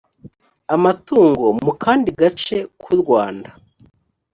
amatungo mu kandi gace k u rwanda